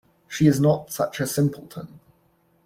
She is not such a simpleton.